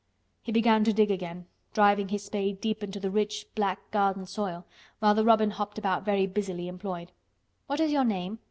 He began to dig again, driving his spade deep into the rich black garden soil while the robin hopped about very busily employed. "What is your name?"